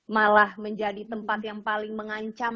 malah menjadi tempat yang paling mengancam